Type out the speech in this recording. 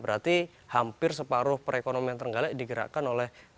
berarti hampir separuh perekonomian trenggalek digerakkan oleh agus